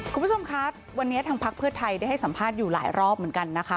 คุณผู้ชมคะวันนี้ทางพักเพื่อไทยได้ให้สัมภาษณ์อยู่หลายรอบเหมือนกันนะคะ